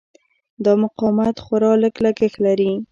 دا مقاومت خورا لږ لګښت لري.